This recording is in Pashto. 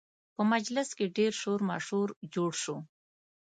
په مجلس کې ډېر شور ماشور جوړ شو